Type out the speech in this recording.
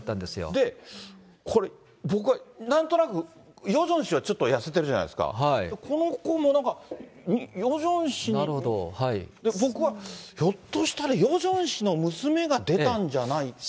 で、これ、僕はなんとなくヨジョン氏はちょっと痩せてるじゃないですか、この子もなんかヨジョン氏に、僕はひょっとしたらヨジョン氏の娘が出たんじゃない？